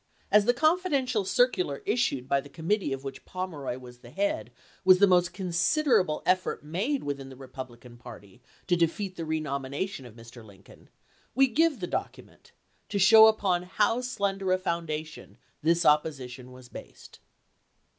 As the confidential circular issued by the committee of which Pomeroy was the head was the most considerable effort made within the Republican party to defeat the renomination of Mr. Lincoln, we give the document, to show upon how slender a foundation this opposition was based.